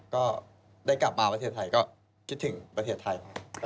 ก็ได้กลับมาประเทศไทยก็คิดถึงประเทศไทย